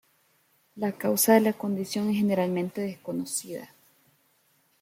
La causa de la condición es generalmente desconocida.